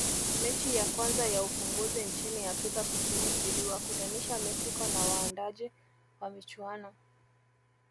mechi ya kwanza ya ufunguzi nchini afrika kusini iliwakutanisha mexico na waandaaji wa michuano